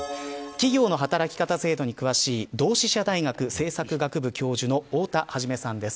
企業の働き方制度に詳しい同志社大学政策学部教授の太田肇さんです。